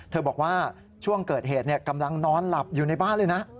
บอกว่าช่วงเกิดเหตุกำลังนอนหลับอยู่ในบ้านเลยนะ